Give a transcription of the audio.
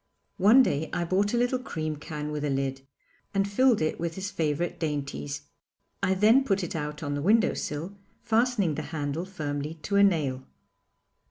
One day I bought a little cream can with a lid, and filled it with his favourite dainties. I then put it out on the window sill, fastening the handle firmly to a nail.